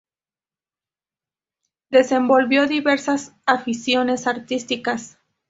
Desenvolvió diversas aficiones artísticas.